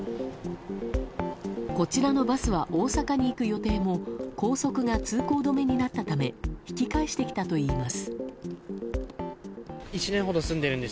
こちらのバスは大阪に行く予定も高速が通行止めになったため引き返してきたといいます。